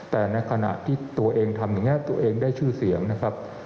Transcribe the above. แต่ในขณะที่ตัวเองทำอย่างนี้ตัวเองได้ชื่อเสียงนะครับ